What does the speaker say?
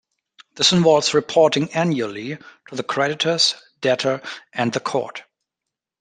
This involves reporting annually to the creditors, debtor and the court.